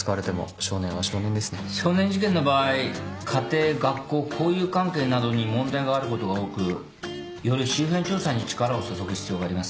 少年事件の場合家庭学校交友関係などに問題があることが多くより周辺調査に力を注ぐ必要があります。